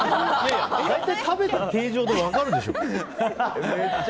大体食べた形状で分かるでしょ。